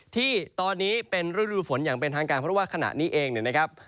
ที่ตอนนี้เป็นฤดูฝนอย่างเป็นทางการเพราะว่าขณะนี้เองเนี่ยนะครับ